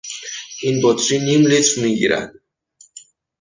این بطری نیم لیتر میگیرد.